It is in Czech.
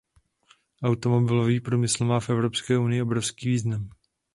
Automobilový průmysl má v Evropské unii obrovský význam.